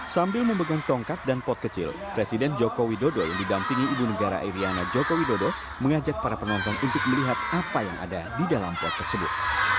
sambil memegang tongkat dan pot kecil presiden joko widodo yang didampingi ibu negara iryana joko widodo mengajak para penonton untuk melihat apa yang ada di dalam pot tersebut